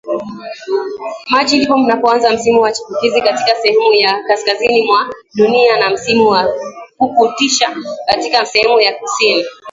Machi ndipo mnapoanza msimu wa chipukizi katika sehemu ya Kaskazini mwa dunia na msimu wa pukutisha katika sehemu ya Kusini